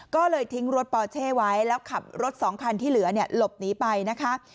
ก็เลยทิ้งรถปอเช่ไว้แล้วขับรถสองคันที่เหลือเนี่ยหลบหนีไปนะคะ